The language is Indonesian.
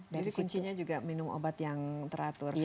jadi kuncinya juga minum obat yang teratur